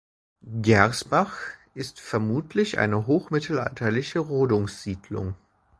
Gersbach ist vermutlich eine hochmittelalterliche Rodungssiedlung.